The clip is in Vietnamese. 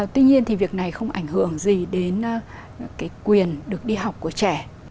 tuy nhiên thì việc này không ảnh hưởng gì đến cái quyền được đi học của trẻ